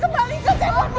kembali ke ceweknya